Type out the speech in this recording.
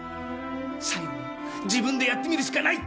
最後には自分でやってみるしかないって。